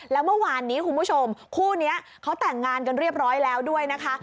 แล้วเมื่อวานนี้คุณผู้ชมคู่นี้เขาแต่งงานกันเรียบร้อยแล้วด้วยนะคะ